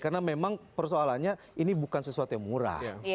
karena memang persoalannya ini bukan sesuatu yang murah